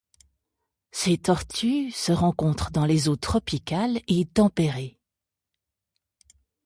Ces tortues se rencontrent dans les eaux tropicales et tempérées.